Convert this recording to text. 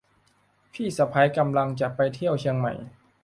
พี่สะใภ้กำลังจะไปเที่ยวเชียงใหม่